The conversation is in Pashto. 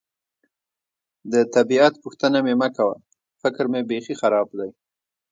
د طبیعت پوښتنه مې مه کوه، فکر مې بېخي خراب دی.